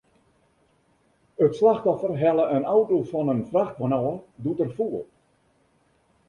It slachtoffer helle in auto fan in frachtwein ôf, doe't er foel.